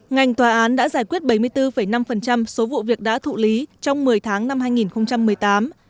ngành tòa án đã giải quyết bảy mươi bốn năm số vụ việc đã thụ lý trong một mươi tháng năm hai nghìn một mươi tám